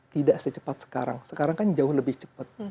tidak secepat sekarang sekarang kan jauh lebih cepat